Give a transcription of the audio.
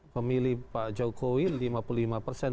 pemilih pak jokowi lima puluh lima persen